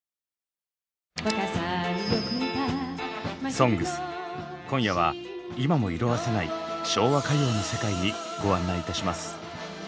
「ＳＯＮＧＳ」今夜は今も色あせない昭和歌謡の世界にご案内いたします。